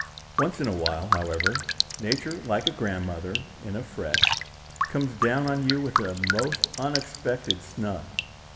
Once in a while, however, Nature, like a grandmother in a fret, comes down on you with a most unexpected snub.